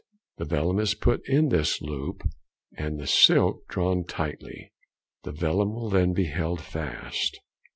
The vellum is put in this loop and the silk drawn tightly, the vellum will then be held fast.